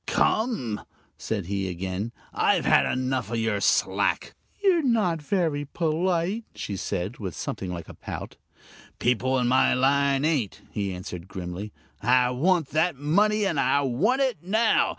"Come!" said he, again; "I've had enough of your slack " "You're not very polite," she said, with something like a pout. "People in my line ain't," he answered, grimly. "I want that money! and I want it now!